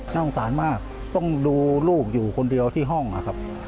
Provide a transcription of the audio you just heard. น่าสงสารมากต้องดูลูกอยู่คนเดียวที่ห้องนะครับ